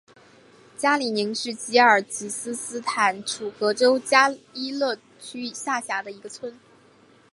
加里宁是吉尔吉斯斯坦楚河州加依勒区下辖的一个村。